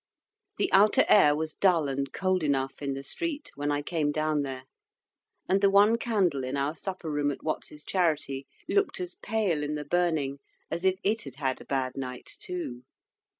The outer air was dull and cold enough in the street, when I came down there; and the one candle in our supper room at Watts's Charity looked as pale in the burning as if it had had a bad night too.